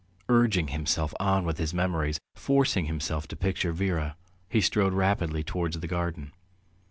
Urging himself on with his memories, forcing himself to picture Vera, he strode rapidly towards the garden.